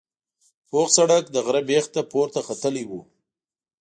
پوخ سړک د غره بیخ ته پورته ختلی و.